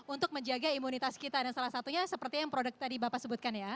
untuk menjaga imunitas kita dan salah satunya seperti yang produk tadi bapak sebutkan ya